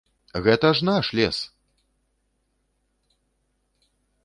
Гэта ж наш лес!